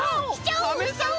おカメさん